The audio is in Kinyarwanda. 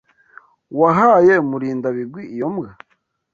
Wahaye Murindabigwi iyo mbwa?